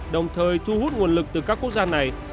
đồng thời thu hút nguồn lực từ các quốc gia này